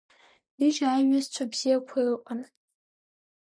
Ҩыџьа аиҩызцәа бзиақәа ыҟан.